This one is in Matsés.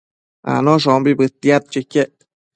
Anoshombi bëtiadquio iquec